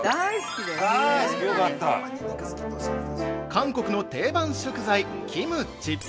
◆韓国の定番食材、キムチ。